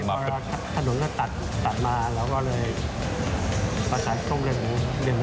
ถนนก็ตัดมาแล้วก็เลยประสานต้มเลือดหมู